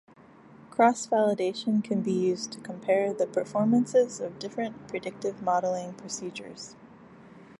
Cross-validation can be used to compare the performances of different predictive modeling procedures.